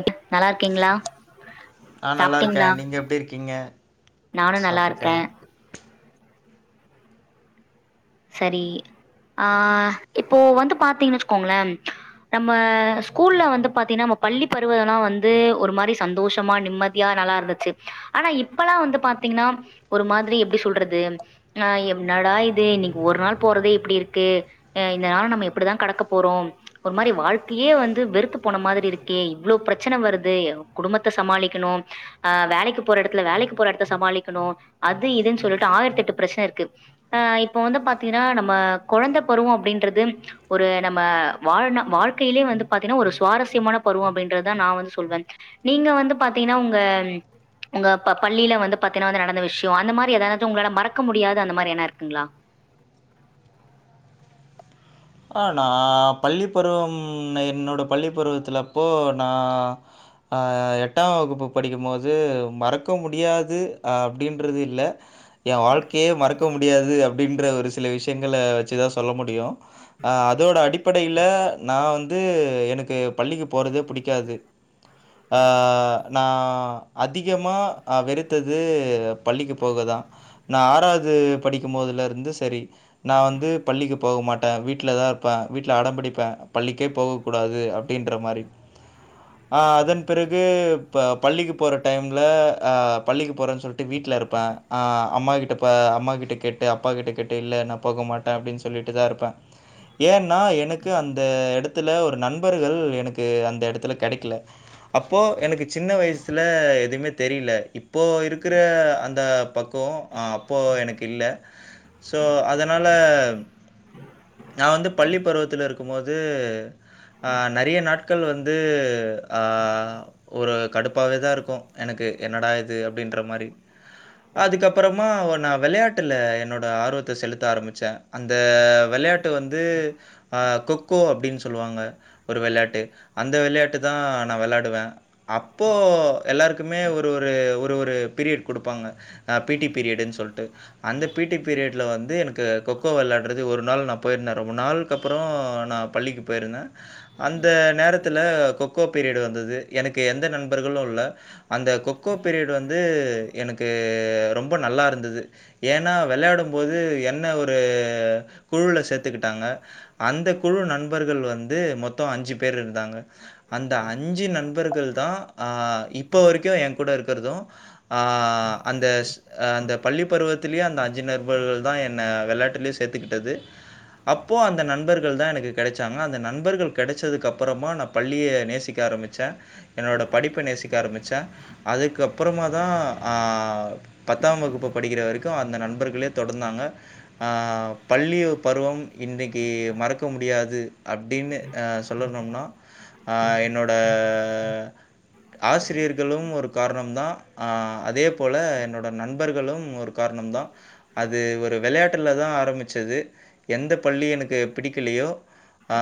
எப்டி நல்லா இருக்கீங்ளா ஆ நல்லா சாப்ட்டீங்களா இருக்கேன் நீங்கள் எப்படி இருக்கீங்க நானு நல்லா இருக்கே சாப்பிட்டேன் சரி ஆ இப்போ வந்து பாத்தீங்ன் வச்சுக்கோங்களே நம்ம ஸ்கூல்ல வந்து பாத்தீங்கன்னா நம்ம பள்ளி பருவோல்லா வந்து ஒரு மாரி சந்தோஷமா நிம்ம தியா நல்லா இருந்துச்சு ஆனா இப்பெல்லாம் வந்து பாத்தீங்கன்னா ஒரு மாதிரி எப்டி சொல்றது நா என்ன டா இது இன்னிக் ஒரு நாள் போறதே இப்டி இருக்கு இந்த நாள நம்ம எப்டிதா கடக்க போறோ ஒரு மாரி வாழ்க்கையே வந்து வெறுத்து போன மாதிரி இருக்கே இவ்ளோ பிரச்சனை வருது குடும்பத்த சமாளிக்குணு ஆ வேலைக்கு போற எடத்துல வேலைக்கு போற எடத்த சமாளிக்குணு அது இதுன்னு சொல்லிட்டு ஆயிரத்து எட்டு பிரச்சன இருக்கு அ இப்போ வந்து பாத்தீங்கன்னா நம்ம கொழந்தை பருவோ அப்டின்றது ஒரு நம்ம வாழ்னா வாழ்க்கையிலயே வந்து பாத்தீன்னா ஒரு சுவாரஸ்யமான பருவம் அப்படின்றதுதா நா வந்து சொல்வன் நீங்க வந்து பாத்தீங்ன்னா உங்க உங்க ப பள்ளியில வந்து பாத்தீன்னா வந்து நடந்த விஷ்யோ அந்த மாரி எதாவ்து உங்ளால மறக்க முடியாத அந்த மாரி என்னா இருக்குங்ளா ஆ நா பள்ளி பருவம் என்னோட பள்ளி பருவத்துலப்போ நா ஆ எட்டாம் வகுப்பு படிக்கும் மோது மறக்க முடியாது அப்டின்றது இல்ல என் வாழ்க்கயே மறக்க முடியாது அப்டின்ற ஒரு சில விஷயங்கள வச்சுதா சொல்ல முடியும் ஆ அதோட அடிப்படையில நா வந்து எனக்கு பள்ளிக்கு போறதே புடிக்காது ஆ நா அதிகமா அ வெறுத்தது பள்ளிக்கு போக தா நா ஆறாவ்து படிக்கும் மோதுல இருந்து சரி நா வந்து பள்ளிக்கு போக மாட்ட வீட் வீட்ல தா இருப்ப வீட்ல அடம்புடிப்ப பள்ளிக்கே போகக் கூடாது அப்டின்ற மாரி ஆ அதன் பிறகு இப்ப பள்ளிக்கு போற டைம்ல ஆ பள்ளிக்கு போறன் சொல்ட்டு வீட்ல இருப்ப ஆ அம்மா கிட்ட இப்ப அம்மா கிட்ட கேட்டு அப்பா கிட்ட கேட்டு இல்ல நா போக மாட்ட அப்டின் சொல்லிட்டு தா இருப்ப ஏன்னா எனக்கு அந்த எடத்துல ஒரு நண்பர்கள் எனக்கு அந்த எடத்துல கெடைக்குல அப்போ எனக்கு சின்ன வய்சுல எதுவுமே தெரில இப் ப்போ இருக்கிற அந்த பக்குவம் ஆ அப்போ எனக்கு இல்ல சோ அதனால நா வந்து பள்ளி பருவத்துல இருக்கும்மோது ஆ நெறைய நாட்கள் வந்து ஆ ஒரு கடுப்பாவே தா இருக்கும் எனக்கு என்னடா இது அப்டின்ற மாரி அதுக்கப்பறமா ஒன்னா வெள்யாட் டுல என்னோட ஆர்வத்த செலுத்த ஆரமிச்ச அந்த வெளயாட்டு வந்து ஆ கொக்கோ அப்டின் சொல்வாங்க ஒரு வெள்யாட்டு அந்த வெள்யாட்டு தா நா வெளாடுவ அப்போ எல்லாருக்குமே ஒரு ஒரு ஒரு ஒரு பீரியட் குடுப்பாங்க ஆ பீ டி பீரியடுன் சொல்ட்டு அந்த பீ டி பீரியட்ல வந்து எனக்கு கொக்கோ வெளாட்றது ஒரு ஒரு நாள் நா போயிருந்த ரொம்ப நாள்க்கு அப்புறோம் நா பள்ளிக்கு போயிருந்த அந்த நேரத்துல கொக்கோ பீரியடு் வந்தது எனக்கு எந்த நண்பர்களு இல்ல அந்த கொக்கோ பீரியட் வந்து எனக்கு ரொம்ப நல்லாருந்தது ஏன்னா வெள்யாடும் போது என்ன ஒரு குழுல சேத்துக்கிட்டாங்க அந்த குழு நண்பர்கள் வந்து மொத்தோ அஞ்சு பேர் இருந்தாங்க அந்த அஞ்சு நண்பர்கள் தா ஆ இப்ப வரைக்கும் என் கூட இர்க்கற்தும் ஆ அந்த அந்த பள்ளி பருவத்திலே அந்த அஞ்சு நண்பர்கள் தா என்ன வெள்ளாட்டுலே சே சேத்துக்கிட்டது அப்போ அந்த நண்பர்கள் தா எனக்கு கெடச்சாங்க அந்த நண்பர்கள் கெடச்சதுக்கப்புறமா நா பள்ளிய நேசிக்க ஆரமிச்ச என்னோட படிப்ப நேசிக்க ஆரமிச்ச அதுக்கப்புறமா தா ஆ பத்தாம் வகுப்பு படிக்கிற வரைக்கும் அந்த நண்பர்களே தொடர்ந்தாங்க ஆ பள் பருவம் இன்னைக்கு மறக்க முடியாது அப்டின்னு ஆ சொல்லனும்னா ஆ என்னோட ஆசிரியர்களும் ஒரு காரணம் தா அதே போல என்னோட நண் ண்பர்களும் ஒரு காரணம் தா அது ஒரு வெளயாட்ல தா ஆரமிச்சது எந்த பள்ளி எனக்கு பிடிக்கலயோ ஆ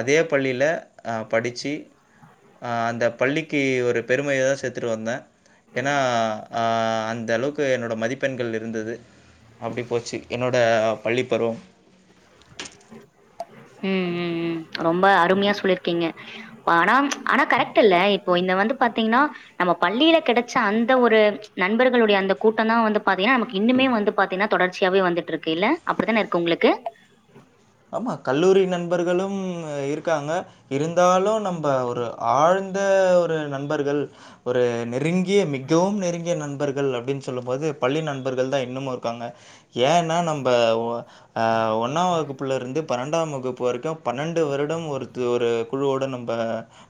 அதே பள்ளில அ படிச்சி ஆ அந்த பள்ளிக்கு ஒரு பெருமையோ சேத் த்ட்டு வந்த ஏன்னா அந்த அளவுக்கு என்னோட மதிப்பெண்கள் இருந்தது அப்டி போச்சு என்னோட பள்ளி பருவம் ம் ம் ம் ரொம்ப அருமையா சொல்லிருக்கீங்க ஆனா ஆனா கரெக்ட் இல்ல இப்போ இந்த வந்து பாத்தீங்கன்னா நம்ம பள்ளில கெடச்ச அந்த ஒரு நண்பர்களுடைய அந்த கூட்டந்தா வந்து பாத்தீங்கன்னா நமக்கு இன்னுமே வந்து பாத்தீங்கன்னா தொடர்ச்சியாவே வந்துட்டுருக்கு இல்ல அப்டித்தானே இருக்கு உங்களுக்கு ஆமா கல்லூரி நண்பர்களும் இருக்காங்க இருந்தாலு நம்ம ஒரு ஆழ்ந்த ஒரு நண்பர்கள் ஒரு நெருங்கிய மிகவும் நெருங்கிய நண்பர்கள் அப்டின் சொல்லும் போது பள்ளி நண்பர்கள் தான் இன்னுமு இருக்காங்க ஏன்னா நம்ப ஒன்னா வகுப் புல இருந்து பன்னெண்டாம் வகுப்பு வரைக்கும் பன்னெண்டு வருடம் ஒரு இது ஒரு குழுவோடு நம்ப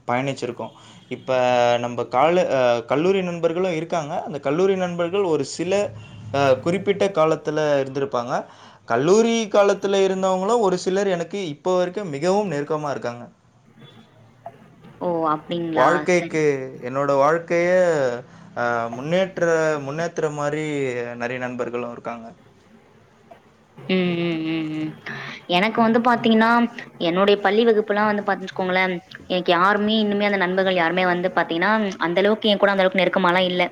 பயணிச்சிருக்கோம் இப்போ நம்ப காலு ஆ கல்லூரி நண்பர்களும் இருக்காங்க அந்த கல்லூரி நண்பர்கள் ஒரு சில ஆ குறிப்பிட்ட காலத்துல இருந்துருப்பாங்க கல்லூரி காலத்துல இரு இப்பவும் ஒரு சிலர் எனக்கு இப்ப வரைக்கு மிகவும் நெருக்கமா இருக்காங்க ஓ அப்டிங் வாழ்கைக்கு என்னோட வாழ்கைய முன்னேற்ற முன்னேத்திர மா ரி நெறைய நண்பர்களும் ருக்காங்க ம் ம் ம் ம் எனக்கு வந்து பாத்தீங்கன்னா என்னுடய பள்ளி வகுப்பு எல்லா வந்து பாத்துச்சுங்குளேன் எனக்கு யாருமே இன்னுமே அந்த நண்பர்கள் யாருமே வந்து பாத்தீங்கன்னா அந்த அளவுக்கு எங் கூட அந்தளவுக்கு நெருக்கமா லா இல்ல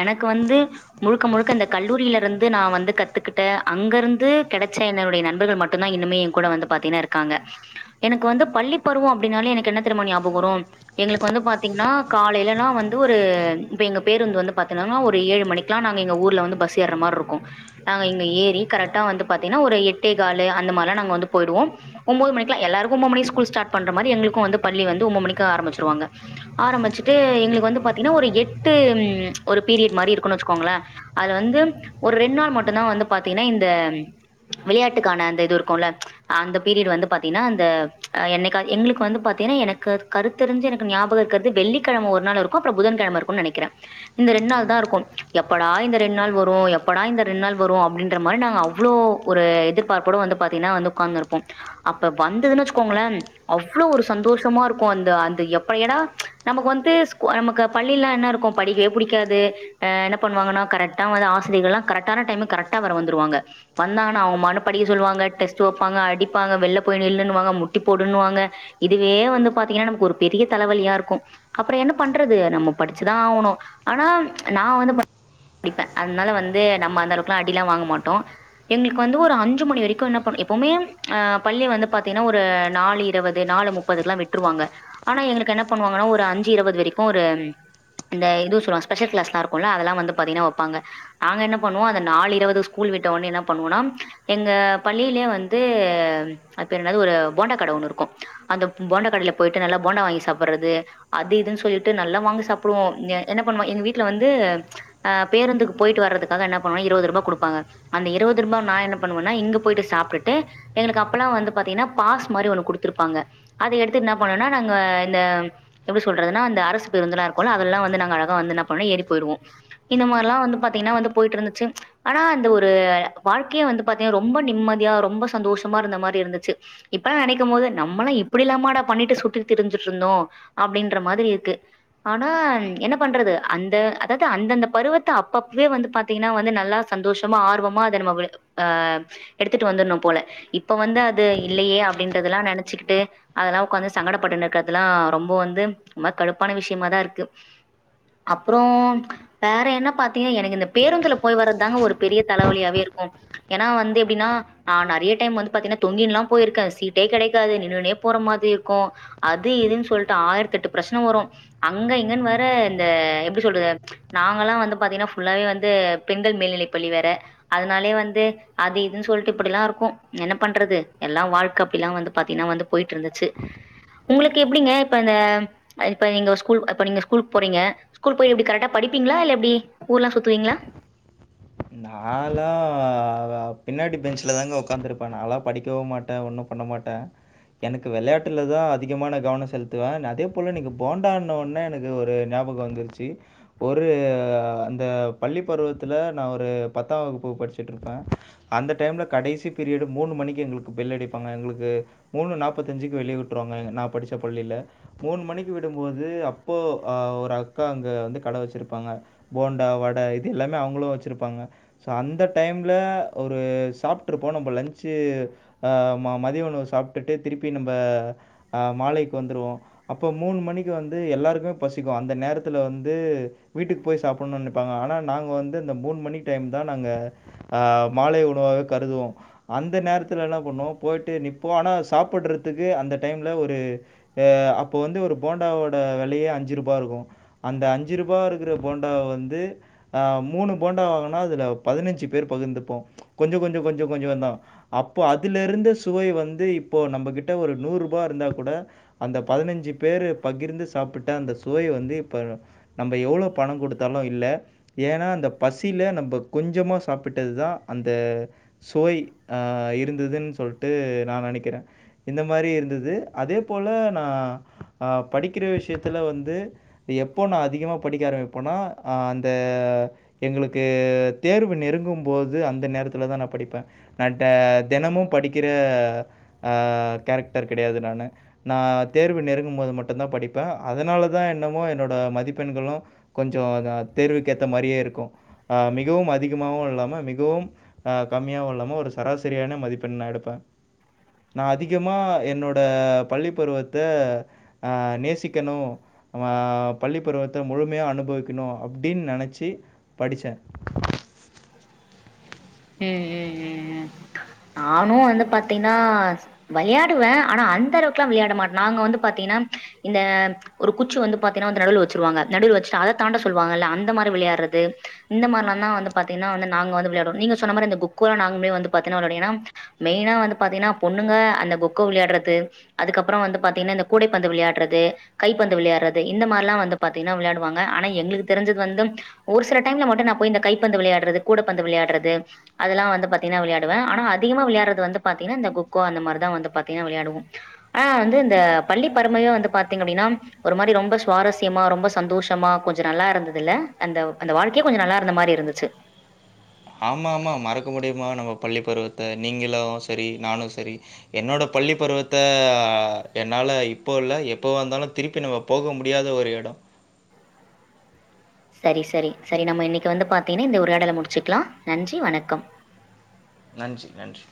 எனக்கு வந்து முழுக்க முழுக்க இந்த கல்லூரில இருந்து நா வந்து கத்துக்கிட்ட அங்கிருந்து கிடைச்ச என்னுடைய நண்பர்கள் மட்டுந்தா இன்னுமே எங் கூட வந்து பாத்தீங்கன்னா இருக்காங்க எனக்கு வந்து பள்ளி பருவம் அப்டின்னாலே எனக்கு என்ன தெரியுமா ஞாபக வரும் எங்களுக்கு வந்து பாத்தீங்கன்னா காலேலன்னா வந்து ஒரு இப்ப எங்க பேருந்து வந்து பாத்தீங்கன்னா ஒரு ஏழு மணிக் நாங்க எங்க ஊர்ல வந்து பஸ் ஏர்ற மார் ருக்கும் நாங்க இங்க ஏ இல்ல கரெட்டா வந்து பாத்தீங்கன்னா ஒரு எட்டே காலு அந்த மார்ல நாங்க வந்து போயிடுவோஜேள் ம் ஒம்போது மணிக்கல்லா எல்லாருக்கு ஒம்போது மணி ஸ்கூல் ஸ்டாட் பண்ற மாரி எங்கக்கும் வந்து பள்ளி வந்து ஒம்போது மணிக்கு ஆரம்பிச்சுருவங்க ஆரம்பிச்சுட்டு எங்களுக்கு வந்து பாத்தீங்கன்னா ஒரு எட்டு ம் ஒரு பீரியட் மாரி இருக்குனு வச்சுக்கோங்களே அது வந்து ஒரு ரெண் நாள் மட்டுந்தா வந்து பாத்தீங்கன்னா இந்த விளையாட்டுக்கான அந்த இது இருக்குல அந்த பீரியட் வந்து பாத்தீன்னா அந்த ஆ என்னைக்கா எங்களுக்கு வந்து பாத்தீன்னா எனக் கருத்தறிஞ்சு எனக்கு ஞாபக இருக்கிறது வெள்ளிக்கிழம ஒரு நாள் இருக்கும் அப்றம் புதன்கிழம இருக்குனு நினைக்கிறே இந்த ரெண் நாள் தா இருக்கும் எப்படா இந்த ரெண் நாள் வரும் எப்படா இந்த ரெண் நாள் வரும் அப்டின்ற மாரி நாங்க அவ்ளோ ஒரு எதிர்பார்ப்போட வந்து பாத்தீன்னா வந்து உக்காந்து இருப்போம் அப்ப வந்ததுன்னு வச்சுக்கோங்களே அவ்ளோ ஒரு சந்தோஷமா இருக்கும் அந்த அந்த எப்ப எனா நமக்கு வந்துட்டு ஸ்கூ நமக்கு பள்ளி எல்லா என்ன இருக்கும் படிக்வே புடிக்காது என்ன பண்ணு வாங்கன்னா கரெட்டா வந்து ஆசிரியகள்லாம் கரெட்டான டைமுக் கரெக் டா வேற வந்துருவாங்க வந்தாங்கனா அவங்க மனுப்படிக்க சொல்லுவாங்க டெஸ்ட் வைப்பாங்க அடிப்பாங்க வெள்ல போயி நில்லுன்னுவாங்க முட்டி போடுன்னனுவாங்க இதுவே வந்து பாத்தீங்கன்னா நமக்கு ஒரு பெரிய தலவலியா ருக்கும் அப்புறம் என்ன பண்றது நம்ம படிச்சுதா ஆவணு ஆனா நா வந்து பாத் படிப்பே அதுனால வந்து நம்ம அந்த அளவுக்குல்லா அடிலாம் வாங்க மாட்டோம் எங்களுக்கு வந்து ஒரு அஞ்சு மணி வரைக்கும் என்ன பண்ண எப்பவுமே ஆ பள்ளிய வந்து பாத்தீங்கன்னா ஒரு நாலு இருவது நாலு முப் பதுக்கு விட்டுருவாங்க ஆனா எங்களுக்கு என்ன பண்ணுவாங்கன்னா ஒரு அஞ்சு இருவது வரைக்கும் ஒரு இந்த இது சொல்லுவாங் ஸ்பெஷல் கிளாஸ்லாம் இருக்கும்ல அதெல்லா வந்து பாத்தீன்னா வைப்பங்க நாங்க என்ன பண்ணுவோம் அத நால் இருவது ஸ்கூல் விட்ட ஒனே என்ன பண்ணுவோனா எங்க பள்ளிலயே வந்து அது பேர் என்னது ஒரு போண்டா கடை ஒண்ணு இருக்கும் அந்த போண்டா கடைல போயிட்டு நல்லா போண்டா வாங்கி சாப்பறது அது இதுன் சொல்லிட்டு நல்லா வாங்கி சாப்புடுவோ என்ன பண்ணுவோ எங்க வீட்ல வந்து ஆ பேருந்துக்கு போயிட்டு வர்றதுக்காக என்ன இருவது ரூபா குடுப்பாங்க அந்த இருவது ரூபா நா என்ன பண்ணுவேனா இங்க போயிட்டு சாப்டுட்டு எங்களுக்கு அப்பல்லா வந்து பாத்தீங்கன்னா பாஸ் மாரி ஒண்ணு குடுத்துருப்பாங்க அத எடுத்து என்ன பண்ணுவோனா நாங்க இந்த எப்டி சொல்றதுன்னா இந்த அரசு பேருந்துல்லா இருக்குல்ல அதுல்லா வந்து நாங்க அழக வந்து என்ன பண்ணு ஏறி போய்ருவோ இந்த மார்லா வந்து பாத்தீங்கன்னா வந்து போயிட் இருந்துச்சு ஆனா அந்த ஒரு வாழ்கையே வந்து பாத்தீங்கனா ரொம்ப நிம்மதியா ரொம்ப சந்தோஷமா இருந்த மாரி இருந்துச்சு இப்பெல்லா நெனைக்கும் போது நம்மளா இப்டில்லா மாட பண்ணிட்டு சுத்திட்டு திரிஞ்சுட்டு இருந்தோ அப்டின்ற மாரி இருக்கு ஆனா என்ன பண்றது அந்த அதாது அந்தந்த பருவத்த அப்பப்பவே வந்து பாத்தீங் னா வந்து நல்லா சந்தோஷமா ஆர்வமா அத நம்ம வ ஆ எடுத்துட்டு வந்துர்ணு போல இப்ப வந்து அது இல்லயே அப்டின்றதல்லா நனச்சுக்கிட்டு அதெல்லா உக்காந்து சங்கடப்பட்டுனு இருக்கறதுல்லா ரொம்ப வந்து ரொம்ப கடுப்பான விஷயமா தா இருக்கு அப்றோம் வேற என்ன பாத்தீங்கனா எனக்கு இந்த பேருந்துல போய் வர்றதாங்க ஒரு பெரிய தலவலியாவே இருக்கு ஏனா வந்து எப்டினா நா நெறைய டைம் வந்து பாத்தீங்னா தொங்கின்லா போயிருக்கே சீட்டே கெடைக்காது நின்னுனே போற மாதிரி இருக்கு அது இதுன் சொல்ட்டு ஆயிரத்தெட்டு பிரஷ்ன வரு அங்க இங்கன் வேற இந்த எப்டி சொல்றது நாங்கல்லா வந்து பாத்தீங்னா ஃபுல்லாவே வந் து பெண்கள் மேல்நிலைப்பள்ளி வேற அதுனாலே வந்து அது இதுன் சொல்ட்டு இப்பிடிலா இருக்கு என்ன பண்றது எல்லா வாழ்க்க அப்டிலா வந்து பாத்தீன்னா வந்து போயிட்டுருந்துச்சு உங்களுக்கு எப்டிங்க இப்ப இந்த அ இப்ப நீங்க ஸ்கூல் இப்ப நீங்க ஸ்கூல்க் போறீங்க ஸ்கூல் போய் எப்டி கரட்டா படிப்பீங்ளா இல்ல எப்டி ஊர்லா சுத்துவீங்ளா நாலா பின்னாடி பெஞ்சலதாங்க ஒக்காந்துருப்ப நாலா படிக்கவு மாட்ட ஒன்னு பண்ண மாட்ட எனக்கு வெளாட்டுலதா அதிகமான கவன செலுத்துவ அதே போல நீங்க போண்டான்னவோன்ன எனக்கு ஒரு ஞாபகம் வந் துருச்சி ஒரு அந்த பள்ளி பருவத்துல நா ஒரு பத்தா வகுப்பு படிச்சிட்ருப்ப அந்த டைம்ல கடைசி பீரியடு மூணு மணிக்கு எங்குளுக்கு பெல் அடிப்பாங்க எங்குளுக்கு மூணு நாப்பத்தஞ்சுக்கு வெளிய விட்ருவாங்க நா படிச்ச பள்ளில மூண் மணிக்கு விடும்போது அப்போ அ ஒரு அக்கா அங்க வந்து கட வச்சிருப்பாங்க போண்டா வட இது எல்லாமே அவுங்குளு வச் சிருப்பாங்க சோ அந்த டைம்ல ஒரு சாப்ட்ருப்போ நம்ப லஞ்ன்சு அ ம மதிய உணவு சாப்ட்டுட்டு திருப்பி நம்ப அ மாலைக் வந்துருவோ அப்ப மூண் மணிக்கு வந்து எல்லாருக்குமே பசிக்கு அந்த நேரத்துல வந்து வீட்டுக்கபோய் சாப்புன்னு நெனப்பாங்க ஆனா நாங்க வந்து இந்த மூண் மணி டைம் தா நாங்க அ மாலை உணவாக கருதுவோ அந்த நேரத்துல என்ன பண்ணுவோ போயிட்டு நிப்போ ஆனா சாப்புட்றத்துக்கு அந்த டைம்ல ஒரு அ அப்போ வந்து ஒரு போண்டாவோட வெலையே அஞ்சு ரூபா இருக்கு அந்த அஞ்சு ரூபாருக்குற போண்டாவ வந்து அ மூணு போண்டா வாங்குனா அதுல பதினஞ்சு பேர் பகுந்துப்போ கொஞ்ச கொஞ்ச கொஞ்ச கொஞ்சந்தா அப்போ அதுல இருந்த சுவை வந்து இப்போ நம்மகிட்ட ஒரு நூறு ரூபா இருந்தா கூட அந்த பதினஞ்சு பேரு பகிர்ந்து சாப்பிட்ட அந்த சுவை வந்து இப்ப நம்ப எவ்ளோ பண குடுத்தாலு இல்ல ஏனா அந்த பசில நம்ப கொஞ்சமா சாப்பிட்டதுதா அந்த சுவை ஆ இருந்துதுன் சொல்ட்டு நா நெனக்கிறே இந்த மாரி இருந்துது அதே போல நா ஆ படிக்கிற விஷ்யத்துல வந்து எப்போ நா அதிகமா படிக்க ஆரம்பிப்பனோ ஆ அந்த எங்ளுக்கு தேர்வு நெருங்கும்போது அந்த நேரத்லதா நா படிப்பே நா ட தெனமு படிக்கிற அ கேரக்ட்டர் கெடயாது நானு நா தேர்வு நெருங்கும் போது மட்டுந்தா படிப்பே அதுனாலதா என்னமோ என்னோட மதிப்பெண்களு கொஞ்சொ அ தேர்வுக்கேத்த மாரியே இருக்கு ஆ மிகவும் அதிகமாவு இல்லாம மிகவும் ஆ கம்மியாவுஇல்லாம ஒரு சராசரியான மதிப்பெண் நா எடுப்பே நா அதிகமா என்னோட பள்ளி பருவத்த ஆ நேசிக்கனு நா பள்ளிப்பருவத்த முழுமையா அனுபவிக்னு அப்டின் நெனச்சு படிச்சே ம் ம் ம் ம் நானு வந்து பாத்தீன்னா வளயாடுவ ஆனா அந்த அளவுக்லா விளயாட மாட் நாங்க வந்து பாத்தீங்ன்னா இந்த ஒரு குச்சி வந்து பாத்தீனா வந்து நடுவுல வச்சுருவாங்க நடுவுல வச்சுட்டு அததாண்ட சொல்வாங்கள்ல அந்த மாரி விளயாட்றது இந்த மார்லாந்தா வந்து பாத்திங்னா வந்து நாங்க வந்து விளயாடு நீங்க சொன்ன மாரி அந்த கொக்கோலா நாங்ளுமே வந்து பாத்தீனா வெளாடு ஏனா மெய்னா வந்து பாத்தீங்னா பொண்ணுங்க அந்த கொக்கோ விளையாட்றது அதுக்கப்றோ வந்து பாத்தீங்னா இந்த கூடைப்பந்து விளையாட்றது கைப்பந்து விளையாறது இந்த மார்லா வந்து பாத்தீங்னா விளையாடுவாங்க ஆனா எங்ளுக்கு தெரிஞ்சது வந்து ஒரு சில டைம்ல மட்டு நா போய் இந்த கைப்பந்து விளயாட்றது கூடப்பந்து விளயாட்றது அதல்லா வந்து பாத்தீங்னா விளயாடுவே ஆனா அதிகமா விளயாட்றது வந்து பாத்தீங்னா இந்த கொக்கோ அந்த மார்தா வந்து பாத்தீங்னா விளயாடுவோ ஆ வந்து இந்த பள்ளி பருமையு வந்து பாத்தீங்க அப்டின்னா ஒரு மாரி ரொம்ப சுவாரஸ்யமா ரொம்ப சந்தோஷமா கொஞ்சொ நல்லாருந்ததுல்ல அந்த அந்த வாழ் க்கே கொஞ்சோ நல்லாருந்த மாரி இருந்துச்சு ஆமா ஆமா மறக்க முடிமா நம்ம பள்ளி பருவத்த நீங்ளு செரி நானு செரி என்னோட பள்ளி பருவத்த என்னால இப்போ இல்ல எப்போவாந்தாலு திருப்பி நம்ம போக முடியாத ஒரு எடோ சரி சரி சரி நம்ம இன்னக்கி வந்து பாத்தீங்னா இந்த உரயாடல முடிச்சுக்லா நன்றி வணக்கம் நன்றி நன்றி